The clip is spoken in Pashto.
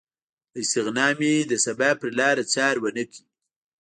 له استغنا مې د سبا پرلاره څار ونه کړ